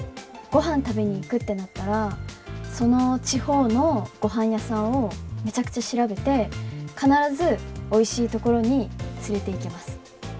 ごはん食べに行くってなったら、その地方のごはん屋さんをめちゃくちゃ調べて、必ず、おいしい所に連れていきます。